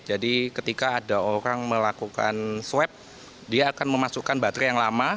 jadi ketika ada orang melakukan swap dia akan memasukkan baterai yang lama